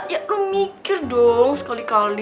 ya aku mikir dong sekali kali